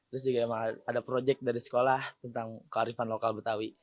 terus juga emang ada project dari sekolah tentang kearifan lokal betawi